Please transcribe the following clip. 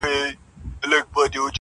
په دنیا کي چي د چا نوم د سلطان دی-